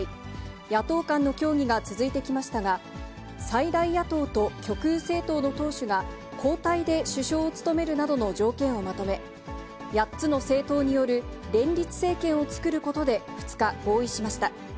野党間の協議が続いてきましたが、最大野党と極右政党の党首が、交代で首相を務めるなどの条件をまとめ、８つの政党による連立政権を作ることで２日、合意しました。